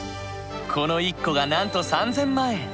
この１個がなんと３，０００万円。